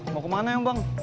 mau kemana emang bang